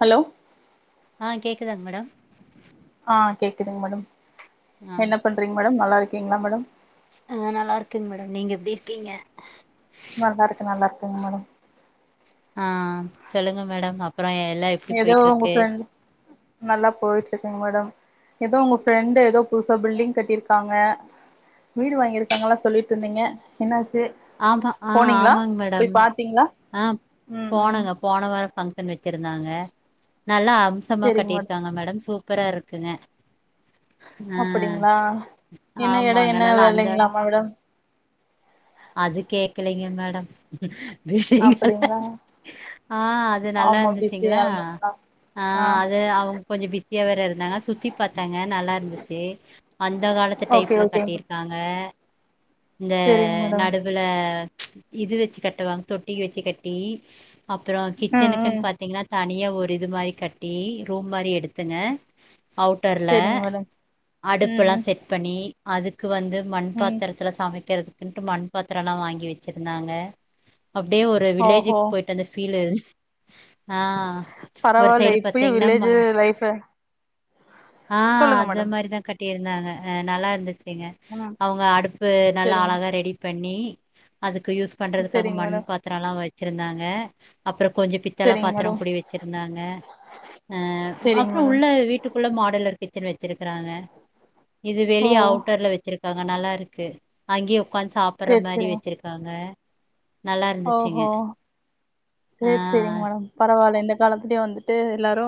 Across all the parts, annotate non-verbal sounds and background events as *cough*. Hello ஆ கேக்கு தாங்க மேடம் ஆ கேக்குதுங்க மேடம் ஆ என்ன பண்றீங்க மேடம் நல்லா இரு ஓகேங்ளா மேடம் ஆ நல்லா இருக்கங்க மேடம் நீங்க எப்டி இருக்கீங்க நல்லான் இருக்க நல்லா இருக்கங் மேடம் ஆ சொல்லுங்க மேடம் அப்றோ எல்லா எப்டி ஏதோ உங்க போயிட்ருக்கு ஃப்ரெண்டு நல்லா போயிட்டு இருக்குங்க மேடம் ஏதோ உங்க ஃப்ரெண்டு ஏதோ புதுசா பில்டிங் கட்டி இருக்காங்க வீடு வாங்கி இருக்காங்க எல்லா சொல்லிட்டு இருந்தீங்க என் ஆமா ஆ ஆமாங்க மேடம் பாத்தீங்களா ஆ ம் ம் போனங்க போன வாரோ ஃபங்க்ஷன் வெச்சிருந்தாங்க நல்லா அம்சமா கட்டிருக்காங்க மேடம் சூ ப்பரா இருக்குங்க ஆ அப்படிங்ளா என்ன எட ஆமாங்க என்ன நல்லா அந்த வெலைங்ளா மேடம் அது கேக்கலைங்க மேடம் பிஸிங்ளா அப்படிங்களா ஆ அது நல்லா ஆமா இருந்துச்சிங்ளா பிஸியா இருந்தாங்களா ஆ அது அவுங்க கொஞ்ச பிஸியா வேற இருந்தாங்க சுத்தி பாத்தாங்க நல்லா இருந்துச்சு அந்த காலத்து டைப்ல கட்டிருக்காங்க செரிங்க மேடம் தா இது வச்சு கட்டுவாங்க தொட்டி வெச்சி கட்டி அப்பற ம் கிச்சனுக்குன் ம் பாத்திங்னா தனியா ஒரு இது மாரி கட்டி ரூம் மாரி எடுத் துங்க அவுட்டர்ல செரிங்க மேடம் ம் அடுப்பெல்லா ம் செட் பண்ணி அதுக் கு வந்து மண் ம் பாத்தரத்துல சமைக்கறது ன்ட்டு மண் பாத்தர எல்லா வாங்கி வெச்சிருந்தாங்க அப்டியே ஓஹோ வில்லேஜுக்கு போய்ட்டு வந்த ஃபீலு ஆ ஒரு பரவால்ல சைடு இப்பயு பாத்திங்னா மோ வில்லேஜு லைஃப ஆ சொல்லுங்க அது மேடம் மாரிதா கட்டி இருந்தாங்க அ நல்லா இருந்துச்சு ங்க ம் அவுங்க அடுப்பு நல்லா செரிங்க அழகா ரெடி பண்ணி அதுக் கு யூஸ் பண்றதுக்காக செரிங்க மண் மேடம் பாத்தர எல்லா வெச் சிருந்தாங்க அப்ற கொஞ்ச பித்தள செரிங்க மேடம் பாத்திரங்கூடி வெச்சிருந்தாங்க அ செரிங்க அப்றம் மேடம் உள்ள வீட்டுக்குள்ள மாடல் இருக்கு திரு வெத்திரு க்றாங்க இது ஓ வெளிய அவுட்டர்ல வெச்சிருக் காங்க நல்லாருக்கு அங்கயே உக்காந்து சாப்பர்ற சேரி மாரி செரிங்க வெச்சிருக்காங்க ஓஹோ சரி சரிங்க ஆஹ் மேடம் பரவால்ல இந்த காலத்துயே வந்துட்டு எல்லாரு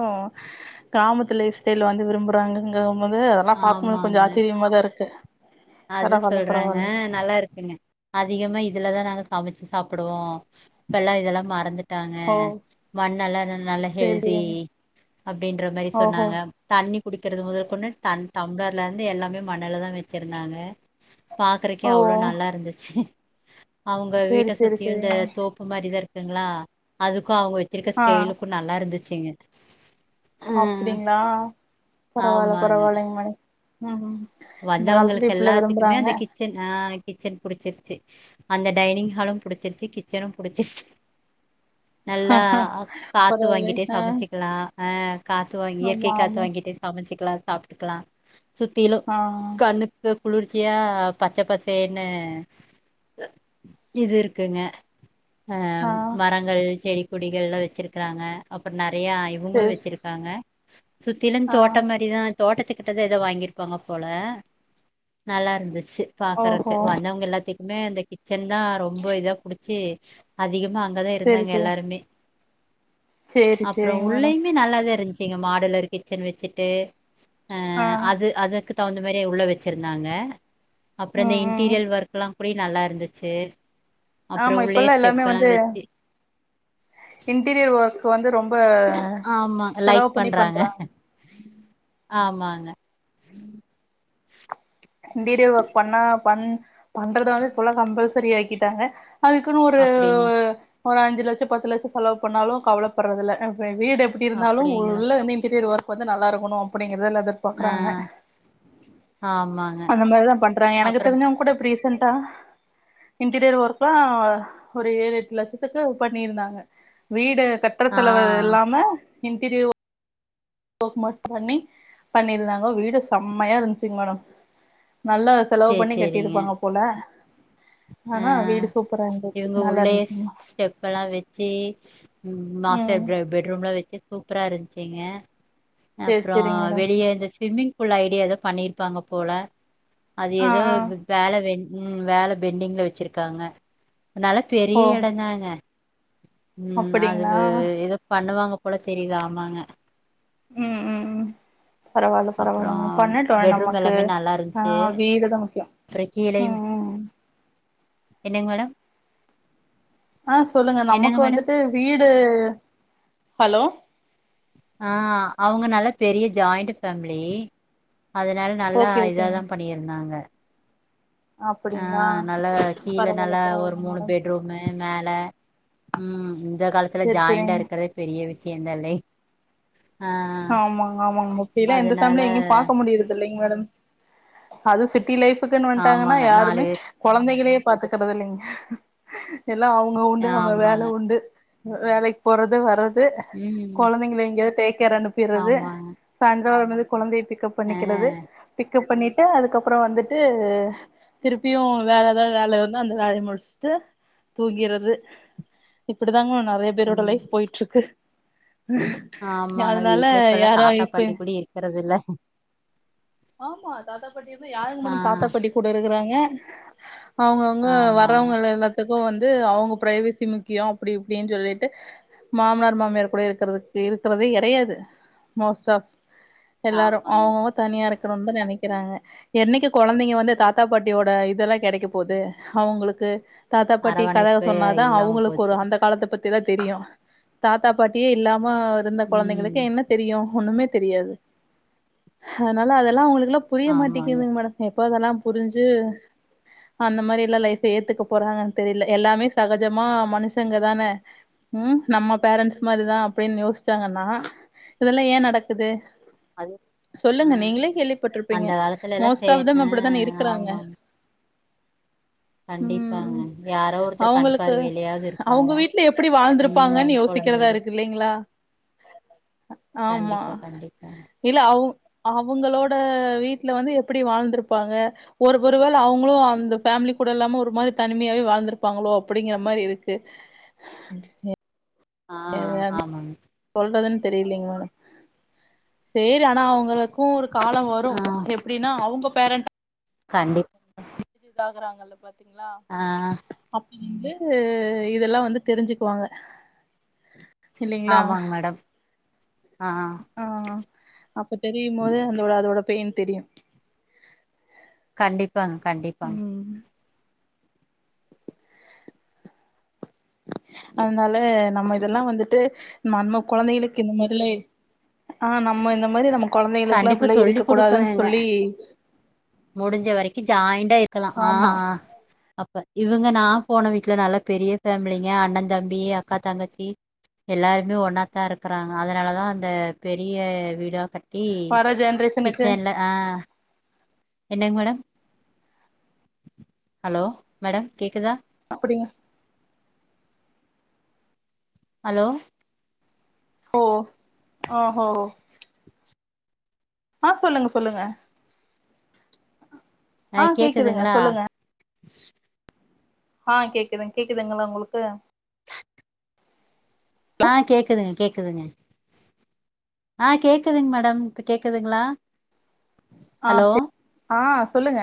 கிராமத்து லைஃப் ஸ்டைல் வந்து விரும்புறாங்கங்க வந்து அதெல்லா பாக்கும்போது கொஞ்ச ஆமாங்க ஆச்சரியமாதா இருக்கு அது பரவால்ல சொல்றாங்க பரவால்லைங்க நல்லா இருக்குங்க அ அதிகமா இதுலதா நாங்க சமைச்சு சாப்பிடுவோ இப்பல்லா இதெல்லா மறந்துட்டாங்க ஓ மண் நல்லா நல்லா சேரி ஹெல்தி செரிங்க அப்படின்ற மாரி ஓஹோ சொன்னாங்க தண்ணி குடிக்கிறது மொதக்கொண்டு த தடம்ளர்ல இருந்து எல்லாமே மண்ணல தா வச்சுரு துனாங்க பாக்குறக்கே ஓ அவ்ளோ நல்லா இருந்துச்சு அவங்க வீட்ட சேரி சேரி சுத்தி இந்த செரிங்க தோப்பு மாரிதா இருக்கு இருக்குங்களா அது அவங்க வச்சிருக்க ஆ ஸ்டலுக்கு நல்லா இருந்து சங்க அப்படிங்களா பரவாவல்ல ஆமாங்க பரவாயலைங்க மே ஹஹ வந்தவங்களுக்கு எல்லாத்துக்குமே அந்த கிச்சன் ஆஹ் கிச்சன் புடிச்சிருச்சு அந்த டைனிங் ஹாலு புடிச்சிருச்சு கிச்சனு புடிச்சிருச்சு நல்லா காத்து பரவால்லை வாங்கிட்டே ஆ சமச்சிக்கலா ஆ காத்து வாங்கி ஆமா இயற்கை காத்து ஆமா வாங்கிட்டு சமைச்சு லாம் சாப்ட்டுக்கலா சுத்திலு ஆ கணக்கு குளிர்ச்சியா பச்சை பச்சனு இது இருக்குங்க ஆ ஆஹ் மரங்கள் செடி குடிகள்ல்லா வச்சிருக்கறாங்க அப்பற ந நெறையா இவங்களு செரி வச்சிருக்காங்க சுத்திலு ஆ தோட்ட மாரிதா தோட்டத்துக் ஏங்கிட்ட தா எதோ வாங்கியிருப்பாங்க போல நல்லா இருந்துச்சு கு பாக்குறக்கு ஓஹோ வந்தவங்க எல்லாத்தையு மே அந்த கிச் செந்தா ரொம்ப இதா குடிச்சு அதிக அங்கதான் செரி இருந்தாங்க செரி எல்லாருமே சேரி அப்றோம் சேரிங்க மேடம் உள்ளயுமே நல்லாதான் இருந்ச்சு நீங்க மாடலர் கிச்சன் வச்சுட்டு ஆ அது அதுக்கு தகுந்த மாதிரி உள்ள வச்சிருந்தாங்க அப்பறம் இந்த ம் ம் இன்டீரியர் ஒர்க்லாம் அப்டி நல்லா இருந்துச்சு அப்புற ஆமா உள்ளயே இப்பல்லாம் எல்லாமே ஸ்டெப் எல்லா வந்து வச்சு இன்டீரியர் ஒர்க் வந்து ரொம்ப ரொம்ப ஆமா செலவு லைக் பண்ணி பண்றாங்க ஆமாங்க இன்டீரியர் ஒர்க் பண்ணா பண் பண்றத வந்து இப்பெல்லாம் கம்பல்சரி ஆக்கிட்டாங்க அதுக்குன்னு ஒரு அப்படிங்க ஒரு அஞ்சு லட்சம் பத்து லட்சம் செலவு பன்னாலும் கவலைப்பட் றதுல *unintelligible* வீடு எப்டி இருந்தாலும் அப்டிங்களா உள்ள வந்து இன்டீரியர் ஒர்க வந்து நல்லாருக்கும் அப்டின்னு எதல்லத ஆ பாக்குறாங்க ஆமாங்க அந்த மாரிதான் பண்றாங்க எனக்கு அப்புறம் தெரிஞ்சும் கூட பிர இன்டீரியர் ஒர்கலாம் ஒரு ஏழு எட்டு லட்சத்துக்கு பண்ணிருந்தாங்க வீடு கட்டுற ஆ செலவு இல்லாம இன்டீரியர் ஓ ம பண்ணி பண்ணிருந்தாங்க வீடு செம்மையா இருந்துச்சுங்க மேடம் நல்லா செலவு சேரி பண்ணி சேரிங்க கட்டியிருப்பாங்க போல ஆ ஆனா ஆ வீடு சூப்பரா இருந்துச்சு இவங்க நல்லா உள்ளேயே இருந்துச்சுங்களா ஸ்டெப் எல்லாம் வச்சு ம் மாஸ்டர் பெட்ரூம்ல வச்சு சூப்பரா இருந்து ச்சீங்க சேரி அப்புறம் சேரிங்க மேடம் வெளியே இந்த ஸ்விம்மிங் பூல் ஐடியா ஏதான் பண்ணிரு ருப்பாங்க போல அது ஆ ஏதோ ஆ வேலை வேண்ட ம் வேலை பெண்டிங்ல வச்சிருக்காங்க உனால பெரிய ஓ எட தாங்க ம் அது அப்படிங்களா எத பண்ணுவாங்க கூட தெரியுதா ஆமாங்க உம் உம் உம் பரவால்ல பரவால்ல அப்புறோ மேம் பண்ணட்டு பெட்ரூம் நமக்கு எல்லாமே நல்லா இருந்துச்சு ஆஹ் வீடுதான் முக்கியம் அப்புறோ கீழயும் உம் உம் என்னங்க மேடம் ஆஹ் சொல்லுங்க என்னங்க நமக்கு மேடம் வந்துட்டு வீடு ஹலோ ஆஹ் அவங்க நல்ல பெரிய ஜாயிண்ட் ஃபேமிலி அதனால நல்லா ஓகே ஓகேங்க இதாதான் பண்ணியிருந்தாங்க அப்படிங்களா ஆஹ் நல்லா கீழ பரவால்ல நல்லா ஒரு பரவால்ல மூணு மேடம் பெட்ரூமு மேல உம் உ இந்த காலத்துல சேரி ஜாயிண்டா சேரிங்க இருக்கிறதே பெரிய விஷயம் சேந்தாலே ஆமாங்க ஆமாங்க முப்பல்ல எந்த அதனால பேமிலிய எங்கயும் பாக்க முடியரதுல்லங் மேடம் அது சிட்டி லைஃப் ன்னு வன்ட்டாங்கன்னா ஆமாங்க நாலு யாருமே பேர் குழந்தைகளையே பாத்துக்கறது இல்லங்க எல்லாம் அவங்க உண்டு அவங்க வேலை ஆமாங்க உண்டு வேலைக்கு போறது வர்றது றது ம் குழந்தைங்கள எங்க பேக்கர ன் து ஆமாங்க சாயந்திரவந் குழந்தை பிக்அப் ஆ பண்ணிக்கிறது பிக் பண்ணிட்டு அதுக்கப்புறம் வந்துட்டு திருப்பியும் வேல ஏதாவது வேல வந்து அந்த வேலய முடிச்சுட்டு தூங்கிறது இப்ப தாங்க நிறைய பேரோட ம் லைஃப் போயிட்டு இருக்கு *inaudible* வீட்டுல இப்பல்லாம் யாரு தாத்தா இப்ப பாட்டி கூடி இருக்கிறது இல்ல *unintelligible* ஆமா தாத்தாபாட்டி இருந்து யாருங்க ஆ மேடம் தாத்தாபாட்டி கூட இருக்குறாங்க ஏன் அவங்கவுங்க ஆமாங்க வர்றவங்க எல்லாத்துக்கும் வந்து அவங்க பிரைவேசி முக்கியம் அப்டி இப்டின்னு சொல்லிட்டு மாமனார் மாமியார் கூட இருக்றதுக் இருக்றதே கிடையாது மோஸ்ட் ஆ எல்லாரும் ஆமாங்க அவங்கங்க தனியா இருக் நினைக்கிறாங்க என்னைக்கு குழந்தைங்க வந்து தாத்தா பாட்டியோட இதெல்லா கிடைக்க போது அவங்களுக்கு தாத்தா பாட்டி கத அரவணைப்பே சொன்னாதா இல்லாம அவங்களுக்கு ஒரு போச்சு அந்த காலத்த பத்தி தெரியு தாத்தா பாட்டியே இல்லாம இருந்த குழந்தைகளுக்கு ம் என்ன தெரியும் ஒண்ணுமே தெரியாது அஹ நாள அதெல்லாம் உங்களு இதல்லாம் புரிய ஆமாங்க மாட்டேங்கிதுங்க மேடம் எப்போதெல்லா புரிஞ்சு அந்த மாரி எல்லா லைஃப் ஏத்துக்க போறாங்கன்னு தெரியல எல்லாமே சகஜமா மனுஷங்க தானே உஹம் நம்ம பேரன்ட்ஸ் மாதிரிதா அப்படின்னு யோசிச்சாங்கன்னா இதெல்லா ஏ நடக்குது அது சொல்லுங்க ஹ நீங்களே கேள்விப்பட்டிருப்பீங்க மோஸ்ட் ஆஃப் தெம் ஆ அப்படித் தான இருக்கிறாங்க ஆமாங்க கண்டிப்பாங்க யாரோ ஒருத்தர் அவங்களுக்கு கன்பார் வேளையாவது இருப்பாங்க அவங்க வீட்ல எப்டி உம் வாழ்ந்திருப்பாங்கன்னு யோசிக்கிறதா கொழுந்தேக இருக்கு இல்லைங்களா ஆமா கண்டிப்பாங்க இல்ல அவ் அவங்களோட வீட்டுல வந்து எப்படி வாழ்ந்திருப்பாங்க ஒரு ஒரு வேள அவங்களும் அந்த ஃபேமிலி கூட இல்லாம ஒரு மாதிரி தனிமையாவே வாழ்ந்திருப்பாங்களோ அப்படிங்கிற மாரி இருக்கு ஆ *unintelligible* ஆமாங்க சொல்றது தெரியலங்க மேடம் சரி ஆனா அவங் களுக்கும் ஒரு காலம் ஆ வரும் எப்படின்னா அவங்க பேரெண்ட் கண்டிப் நல்ல பத் தீங்ளா ஆ அப்பி வந்து இதெல்லா வந்து தெரிஞ்சிக்குவாங்க இல்லைங்ளா ஆமாங்க மேடம் ஆ ஆ அப்ப தெரியும் போது அந்தோட அதோட பெய்ன் தெரியு கண்டிப்பாங்க கண்டிப்பாங் ம் அதனால நம்ம இதெல்லா வந்துட்டு நம்ம கொழந்தைங்களுக்கு இந்த மாரிலா எ ஆ நம்ம இந்த மாரி நம்மக் கண்டிப்பா சொல்லி்க் குடுக்கணுங்க முடிஞ்ச வரைக்கு ஜாயிண்டா இருக்கலா ஆ ஆமா அப்ப இவுங்க நா போன வீட்ல நல்லா பெரிய ஃபேமிலிங்க அண்ணந் தம்பி அக்கா தங்கச்சி எல்லாருமே ஒன்னாத்தா இருக்குறாங்க அதனாலதா அந்த பெரிய வீடா கட் டி வர ஜென்ரேஷனுக்கு கிச்சன்ல ஆ என்னங்க மேடம் ஹலோ மேடம் கேக்குதா *unintelligible* ஹலோ ஓ ஆஹோ ஆ சொல்லுங்க சொல்லுங்க ஆ கேக்குதுங்க சொல்லுங்க ஆ கேக்குதுங்க கேக்குதுங்களா உங்களுக்கு ஆ கேக்குதுங்க கேக்குதுங்க ஆ கேக்குதுங் மேடம் இப்ப கேக்குதுங்களா ஆ ஹலோ செ ஆ சொல்லுங்க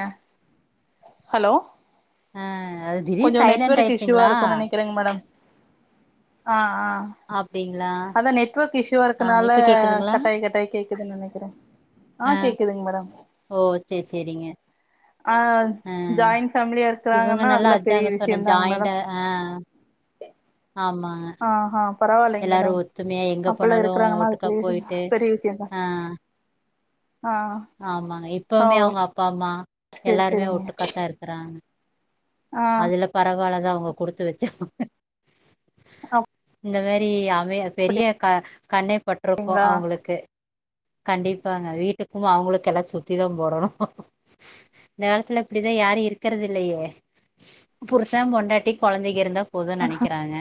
ஹலோ அ கொஞ்சொ நெட்வொர்க்கு இஷுவா இருக்குன் நெனக்கிறங்க மேடம் ஆ ஆ அப்டிங் அதா நெட்வொர்க் இஷ் ஷுவாருக்கனால கேக்குதுங்களா கட்டாய் கட்டாய் கேக்குதுன் நெனக்கிற ஆ கேக்குதுங் மேடம் ஓ சேர் சேரிங்க ஆ ஆ ஜாயின் ஃபேமிலியா இவங்க இருக்குறாங்கன்னா நல்லா அதுலா பெரிய அதாங்க சொன்ன விஷியந்தாங் மேடம் ஜாயிண்டா ஆ ஆமாங்க ஆஹ எல்லாரு ஒத்துமையா எங்க போனாலு இருக்கிறாங்கன்னா அது ஒட்டுக்கா பெரிய விஷயம் போயிட்டு பெரிய விஷயந்தா ஆ ஆ ஆமாங்க ஓ இப்பவுமே அவுங்க அப்பா அம்மா செரி எல்லாருமே செரிங்க ஒட்டுக்காத்தா இருக்கறாங்க ஆ அதுல பரவால த அவுங்க குடுத்து வச்சவங்க அப் இந்த மேரி அ மே பெரிய க-கண்ணே பட்டுருக்கோ அவுங்களுக்கு கண்டிப்பாங்க வீட்டுக்கு அவுங்களுக்கு எல்லா சுத்தி தா போடணு இந்த காலத்துல இப்பிடிதா யாரு இருக்கிறது இல்லையே புருச பொண்டாட்டி கொழந்தைங்க இருந்தா போது நெனைக்கிறாங்க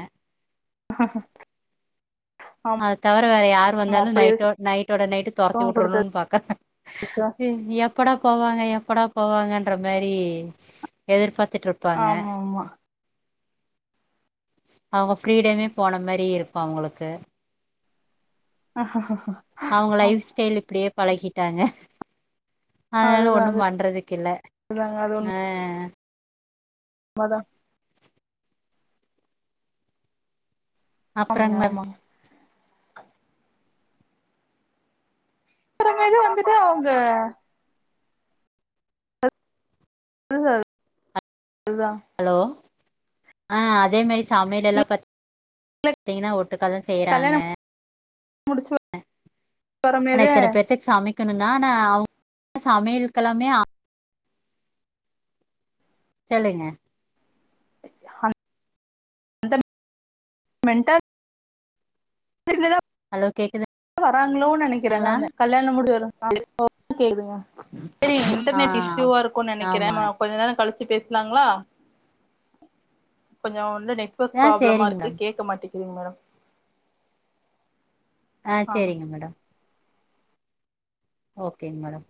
ஆமா அத தவர வேற யார் வந்தாலு அப்படி நைட்டோ-நைட்டோட நைட்டு தொரத்தி இருக்கவங்க கொடுத்தது வுட்டுரணுன் பாக்க எ எப் படா போவாங்க எப்படா போவாங்கன்ற மாரி எதிர்பார் ஆமாமா அவங்க ஃப்ரீடமே போன மாரி இருக்கோ அவுங்களுக்கு அஹஹ அவுங்க லைஃப் ஸ்டைல் இப்படியே பழகிட்டாங்க அதனால அதுதா ஒண்ணு பண்றதுக்கு இல்ல அதுதாங்க அ மதா ஆமாங்க அப்றங்க மேம் ஆமாங்க *unintelligible* வந்துட்டு அவங்க *unintelligible* ஹலோ ஆ அத் அதே மேரி சமயலெல்லா பாத் தீங்கன்னா ஒட் டுக்கா தா செய்றாங்க முடிச்சு *unintelligible* ஆனா வரமேதே இத்தன பேர்த்துக் சமை க்கணுனா நா *unintelligible* சமையலக்கலாமே *unintelligible* சொல்லுங்க *unintelligible* *unintelligible* ஹலோ கேக்குது வராங்களோ நெனைக்கிறே நானு கல்யாணோ *unintelligible* *unintelligible* கேக்குதுங்க சரி ஆ இண்டர்நெட் இஸ்யூவா இருக்கூ நெனக்கிறே ஆமாங்க. நம்ம கொஞ்ச நேரோ கழிச் த்தி பேசுளாங்களா கொஞ்சோ இல்ல நெட்வர்க் ஆ ப்ரோப்லமா சரிங்க இருக்கு மேடம். கேக்க மாட்டிங் செரிங்க மேடம் ஆ செரிங்க மேடம் ஓகேங் மேடம்